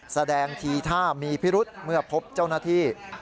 แสดงทีท่ามีพิรุษเมื่อพบเจ้าหน้าที่